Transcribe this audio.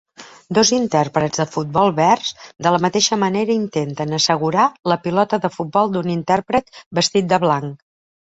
Dos intèrprets de futbol verds de la mateixa manera intenten assegurar la pilota de futbol d'un intèrpret vestit de blanc.